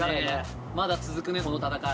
まだ続くねこの戦い。